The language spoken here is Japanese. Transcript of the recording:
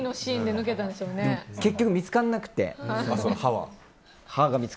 結局見つからなくて、歯は。